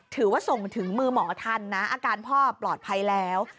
ถือว่าส่งถึงมือหมอทันนะอาการพ่อปลอดภัยแล้ว